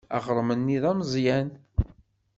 Aɣrem-nni d ameẓyan.